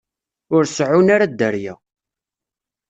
Ur seɛɛun ara dderya.